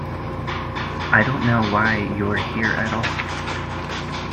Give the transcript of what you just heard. I don't know why you're here at all.